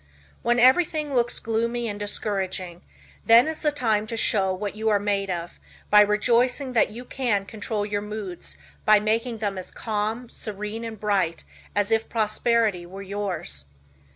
When everything looks gloomy and discouraging, then is the time to show what you are made of by rejoicing that you can control your moods by making them as calm, serene and bright as if prosperity were yours.